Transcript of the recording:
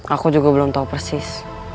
aku juga belum tahu persis